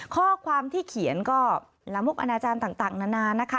ข้อความที่เขียนก็ละมุกอนาจารย์ต่างนานานะคะ